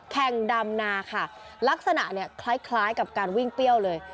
ดำนาค่ะลักษณะเนี่ยคล้ายกับการวิ่งเปรี้ยวเลย